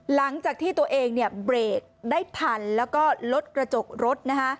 หลังจากที่ตัวเองเนี่ยเบรกได้ทันแล้วก็ลดกระจกรถนะคะ